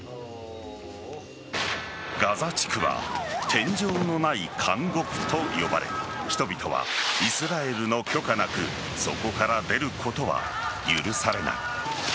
ガザ地区は天井のない監獄と呼ばれ人々は、イスラエルの許可なくそこから出ることは許されない。